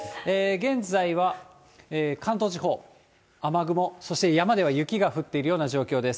現在は関東地方、雨雲、そして山では雪が降っているような状況です。